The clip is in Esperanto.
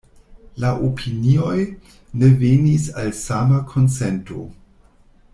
La opinioj ne venis al sama konsento.